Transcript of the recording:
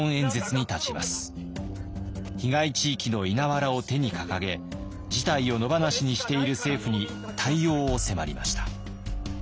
被害地域の稲わらを手に掲げ事態を野放しにしている政府に対応を迫りました。